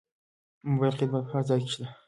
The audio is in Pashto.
موبایل خدمات په هر ځای کې شته.